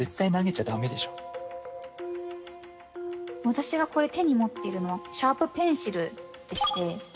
私がこれ手に持ってるのはシャープペンシルでして。